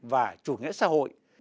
và chủ nghĩa xã hội